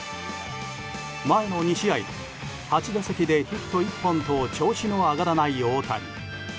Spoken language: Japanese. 前の２試合で８打席でヒット１本と調子の上がらない大谷。